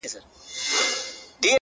ما د وحشت په زمانه کي زندگې کړې ده!